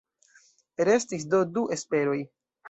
Restis do du esperoj.